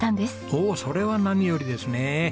おおそれは何よりですね。